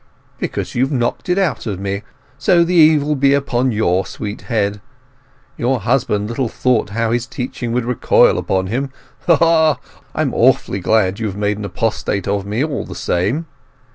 "Because you've knocked it out of me; so the evil be upon your sweet head! Your husband little thought how his teaching would recoil upon him! Ha ha—I'm awfully glad you have made an apostate of me all the same!